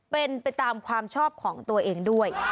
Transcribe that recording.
เป็นไปตามความชอบของตัวเองด้วย